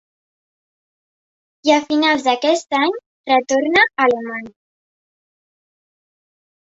I a finals d'aquest any retorna a Alemanya.